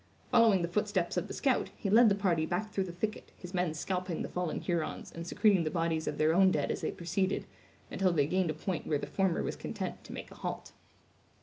Following the footsteps of the scout, he led the party back through the thicket, his men scalping the fallen Hurons and secreting the bodies of their own dead as they proceeded, until they gained a point where the former was content to make a halt.